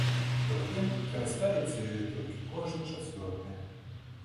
Пры тым карыстаецца ёй толькі кожны чацвёрты.